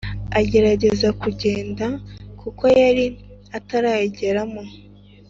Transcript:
agerageza kugenda kuko yari atarayigeramo.